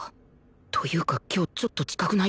というか今日ちょっと近くないか？